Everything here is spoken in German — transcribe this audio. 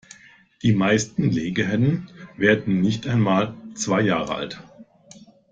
Die meisten Legehennen werden nicht einmal zwei Jahre alt.